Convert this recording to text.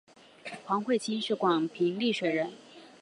黄晦卿是广平丽水人。